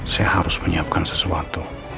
saya harus menyiapkan sesuatu